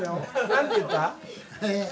何て言った？